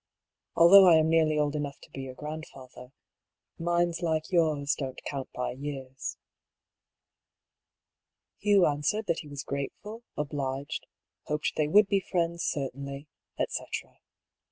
Although I am nearly old enough to be your grandfather — minds like yours don't count by years." Hugh answered that he was grateful, obliged — hoped they would be friends, certainly, etcetera.